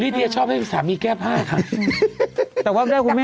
ลีดเยียชอบให้สามีแก้ผ้าค่ะ